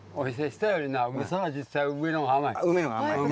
下よりなそりゃ実際上の方が甘い。